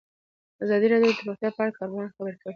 ازادي راډیو د روغتیا په اړه د کارپوهانو خبرې خپرې کړي.